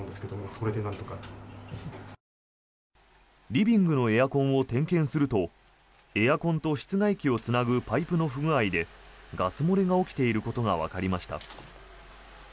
リビングのエアコンを点検するとエアコンと室外機をつなぐパイプの不具合でガス漏れが起きていることがわかりました。